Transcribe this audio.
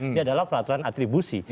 ini adalah peraturan atribusi